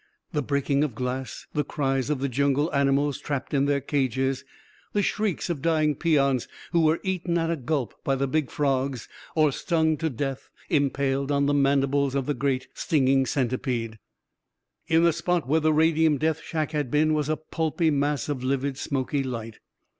The breaking of glass, the cries of the jungle animals trapped in their cages, the shrieks of dying peons who were eaten at a gulp by the big frogs or stung to death, impaled on the mandibles of some great stinging centipede. In the spot where the radium death shack had been, was a pulpy mass of livid, smoky light.